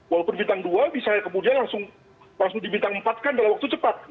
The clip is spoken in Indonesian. walaupun bintang dua bisa kemudian langsung di bintang empatkan dalam waktu cepat